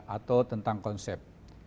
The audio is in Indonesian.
atau tentang konsep